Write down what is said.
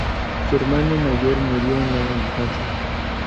Su hermano mayor murió en en la infancia.